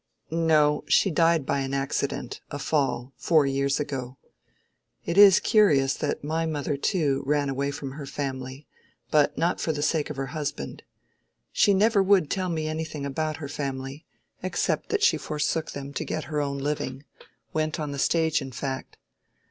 "No; she died by an accident—a fall—four years ago. It is curious that my mother, too, ran away from her family, but not for the sake of her husband. She never would tell me anything about her family, except that she forsook them to get her own living—went on the stage, in fact.